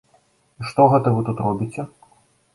І што гэта вы тут робіце?